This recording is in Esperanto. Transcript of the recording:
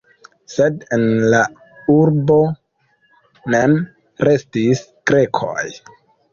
Sed en la urbo mem restis grekoj.